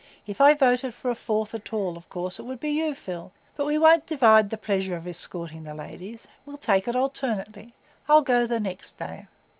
"If I voted for a fourth at all, of course it would be you, Phil. But we won't divide the pleasure of escorting the ladies; we'll take it alternately. I'll go the next day."